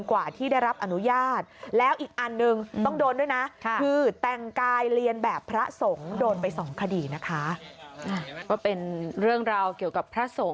ว่าเป็นเรื่องราวเกี่ยวกับพระสงฆ์นะครับ